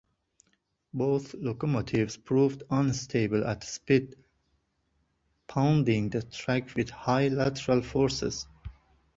Both locomotives proved unstable at speed, pounding the track with high lateral forces.